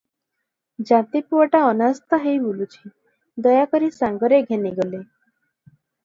ଜାତିପୁଅଟା ଅନାସ୍ଥା ହେଇ ବୁଲୁଛି, ଦୟାକରି ସାଙ୍ଗରେ ଘେନିଗଲେ ।